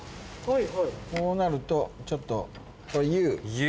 こうなるとちょっとこれ。